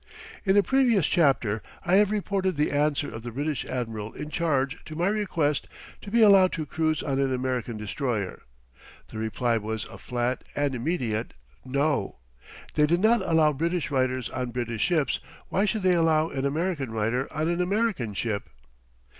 In a previous chapter I have reported the answer of the British admiral in charge to my request to be allowed to cruise on an American destroyer. The reply was a flat and immediate: "No." They did not allow British writers on British ships; why should they allow an American writer on an American ship?